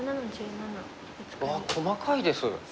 うわっ細かいです。